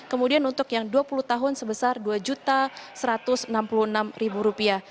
kemudian untuk yang dua puluh tahun sebesar dua satu ratus enam puluh enam rupiah